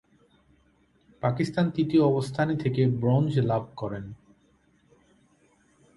পাকিস্তান তৃতীয় অবস্থানে থেকে ব্রোঞ্জ লাভ করেন।